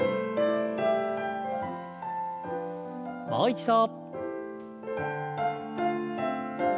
もう一度。